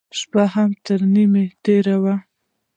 شپه هم تر نيمايي تېره وه.